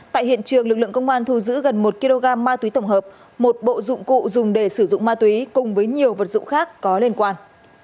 tại hiện trường lực lượng công an thu giữ gần một kg ma túy tổng hợp một bộ dụng cụ dùng để sử dụng ma túy cùng với nhiều vật dụng khác có liên quan